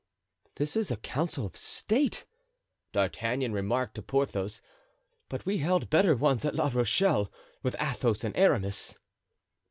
("This is a council of state," D'Artagnan remarked to Porthos; "but we held better ones at La Rochelle, with Athos and Aramis."